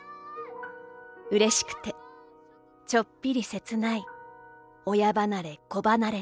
嬉しくて、ちょっぴり切ない親離れ子離れの季節」。